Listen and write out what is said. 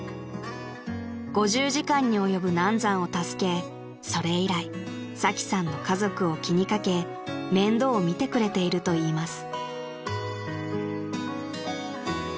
［５０時間に及ぶ難産を助けそれ以来サキさんの家族を気に掛け面倒を見てくれているといいます］